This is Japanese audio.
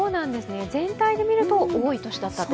全体で見ると多い年だったと。